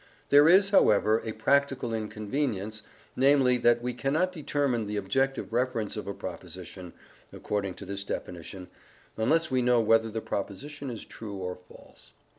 There is, however, a practical inconvenience, namely that we cannot determine the objective reference of a proposition, according to this definition, unless we know whether the proposition is true or false.